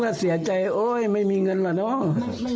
ไม่ใช่อย่างนั้นค่ะ